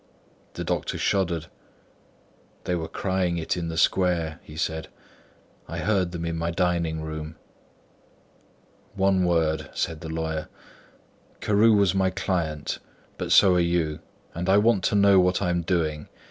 The doctor shuddered. "They were crying it in the square," he said. "I heard them in my dining room." "One word," said the lawyer. "Carew was my client, but so are you, and I want to know what I am doing.